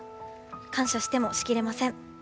感謝しても仕切れません。